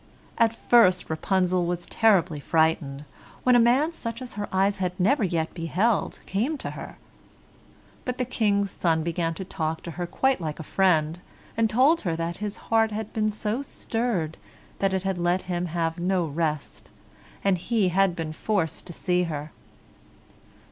At first Rapunzel was terribly frightened when a man such as her eyes had never yet beheld came to her; but the King's son began to talk to her quite like a friend, and told her that his heart had been so stirred that it had let him have no rest, and he had been forced to see her.